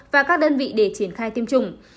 và các đơn vị để triển khai tiêm chủng